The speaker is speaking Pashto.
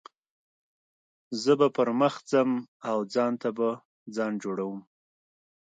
زه به پر مخ ځم او ځان ته به ځای جوړوم.